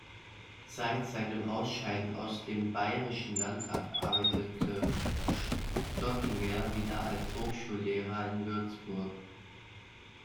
Seit seinem Ausscheiden aus dem Bayrischen Landtag arbeitete Stockinger wieder als Hochschullehrer in Würzburg.